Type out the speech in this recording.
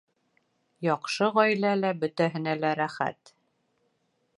Яҡшы ғаиләлә бөтәһенә лә рәхәт